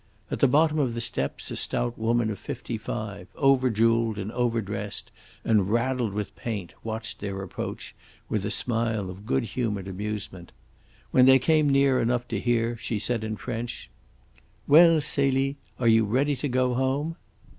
At the bottom of the steps a stout woman of fifty five over jewelled, and over dressed and raddled with paint, watched their approach with a smile of good humoured amusement. When they came near enough to hear she said in French: "Well, Celie, are you ready to go home?"